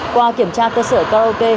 qua kiểm tra cơ sở kok